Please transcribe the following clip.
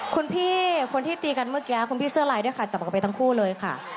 คุณพี่คนที่ตีกันเมื่อกี้คุณพี่เสื้อลายด้วยค่ะจับออกไปทั้งคู่เลยค่ะ